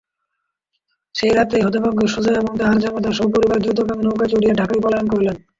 সেই রাত্রেই হতভাগ্য সুজা এবং তাঁহার জামাতা সপরিবার দ্রুতগামী নৌকায় চড়িয়া ঢাকায় পলায়ন করিলেন।